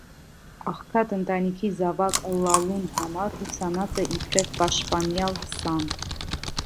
Աղքատ ընտանիքի զաւակ ըլլալուն համար, ուսանած է իբրեւ «պաշտպանեալ» սան։